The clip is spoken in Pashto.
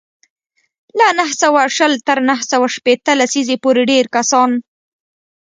له نهه سوه شل تر نهه سوه شپېته لسیزې پورې ډېری کسان